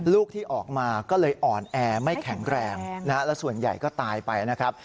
ลูกที่ออกมาก็เลยอ่อนแอไม่แข็งแรงและส่วนใหญ่ก็ตายไปนะครับ